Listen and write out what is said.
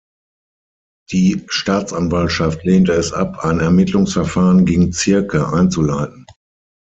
Die Staatsanwaltschaft lehnte es ab, ein Ermittlungsverfahren gegen Ziercke einzuleiten.